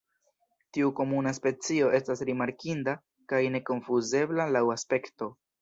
Tiu komuna specio estas rimarkinda kaj nekonfuzebla laŭ aspekto.